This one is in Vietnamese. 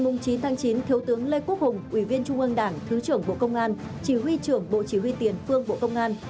ngày chín tháng chín thiếu tướng lê quốc hùng ủy viên trung ương đảng thứ trưởng bộ công an chỉ huy trưởng bộ chỉ huy tiền phương bộ công an